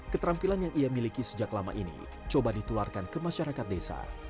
keterampilan yang ia miliki sejak lama ini coba ditularkan ke masyarakat desa